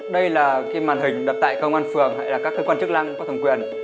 đây là cái màn hình đặt tại công an phường hay là các cơ quan chức năng có thẩm quyền